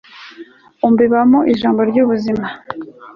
umbibamo ijambo ry'ubuzima